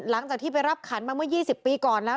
หลังจากที่ไปรับขันมาเมื่อ๒๐ปีก่อนแล้ว